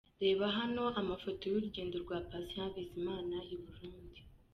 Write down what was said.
Reba hano amafoto y'urugendo rwa Patient Bizimana i Burundi.